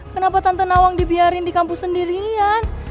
kenapa tante nawang dibiarin di kampus sendirian